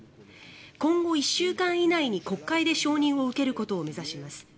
今後１週間以内に国会で承認を受けることを目指します。